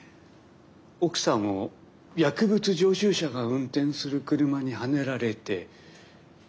奥さんを薬物常習者が運転する車にはねられて亡くしてるんだよ。